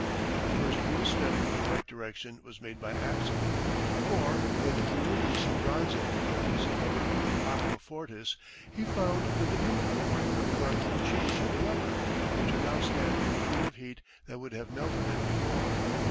The first real step in the right direction was made by accident, for, in removing some bronzing from a piece of rubber with aqua fortis, he found that the chemical worked a remarkable change in the rubber, which would now stand a degree of heat that would have melted it before.